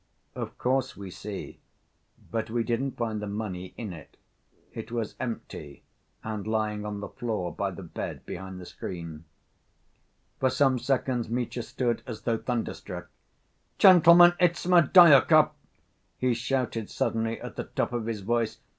"Of course, we see. But we didn't find the money in it. It was empty, and lying on the floor by the bed, behind the screen." For some seconds Mitya stood as though thunderstruck. "Gentlemen, it's Smerdyakov!" he shouted suddenly, at the top of his voice.